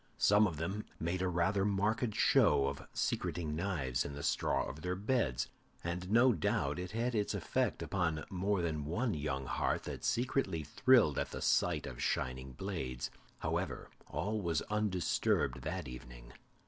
Some of them made a rather marked show of secreting knives in the straw of their beds, and no doubt it had its effect upon more than one young heart that secretly thrilled at the sight of the shining blades. However, all was undisturbed that evening.